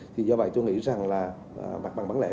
thì do vậy tôi nghĩ rằng là mặt bằng bán lẻ